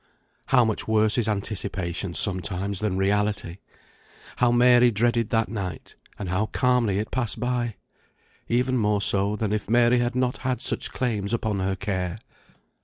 How much worse is anticipation sometimes than reality! How Mary dreaded that night, and how calmly it passed by! Even more so than if Mary had not had such claims upon her care!